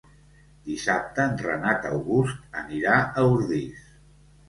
Dissabte en Renat August anirà a Ordis.